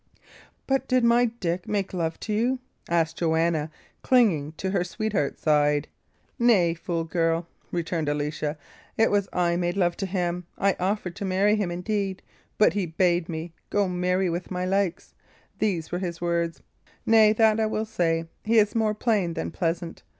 "But did my Dick make love to you?" asked Joanna, clinging to her sweetheart's side. "Nay, fool girl," returned Alicia; "it was I made love to him. I offered to marry him, indeed; but he bade me go marry with my likes. These were his words. Nay, that I will say: he is more plain than pleasant.